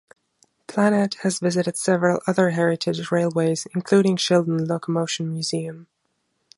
"Planet" has visited several other Heritage railways including Shildon Locomotion Museum.